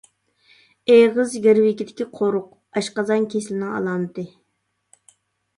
ئېغىز گىرۋىكىدىكى قورۇق: ئاشقازان كېسىلىنىڭ ئالامىتى.